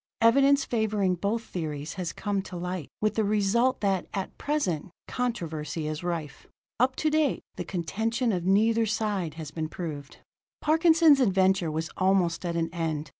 Evidence favoring both theories has come to light, with the result that, at present, controversy is rife. Up to date, the contention of neither side has been proved.] Parkinson's adventure was almost at an end.